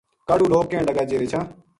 کاہڈوں لوک کہن لگا جے رچھا ں